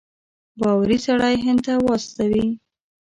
باوري سړی هند ته واستوي.